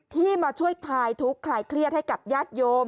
ที่มาช่วยคลายทุกข์คลายเครียดให้กับญาติโยม